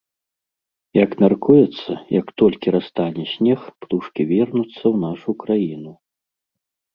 Як мяркуецца, як толькі растане снег, птушкі вернуцца ў нашу краіну.